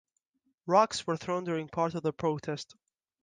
Rocks were thrown during part of the protest.